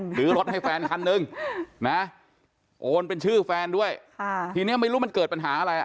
หรือรถให้แฟนคันหนึ่งนะโอนเป็นชื่อแฟนด้วยค่ะทีนี้ไม่รู้มันเกิดปัญหาอะไร